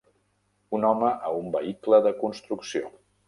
Un home a un vehicle de construcció.